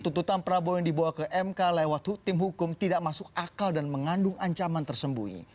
tuntutan prabowo yang dibawa ke mk lewat hukum tidak masuk akal dan mengandung ancaman tersembunyi